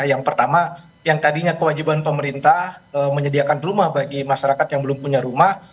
yang pertama yang tadinya kewajiban pemerintah menyediakan rumah bagi masyarakat yang belum punya rumah